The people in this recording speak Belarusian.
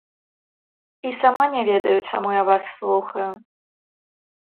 І сама не ведаю, чаму я вас слухаю.